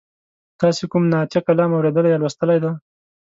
تاسې کوم نعتیه کلام اوریدلی یا لوستلی دی؟